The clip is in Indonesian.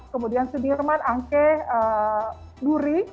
kemudian sudirman angsia duri